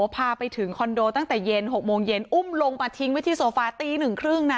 พาไปถึงคอนโดตั้งแต่เย็น๖โมงเย็นอุ้มลงมาทิ้งไว้ที่โซฟาตีหนึ่งครึ่งนะ